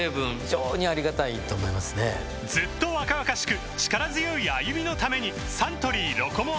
ずっと若々しく力強い歩みのためにサントリー「ロコモア」